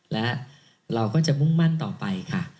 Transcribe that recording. และเราก็จะมุ่งมั่นต่อไปค่ะ